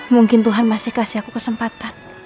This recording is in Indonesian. mungkin tuhan masih kasih aku kesempatan